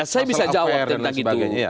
saya bisa jawab tentang itu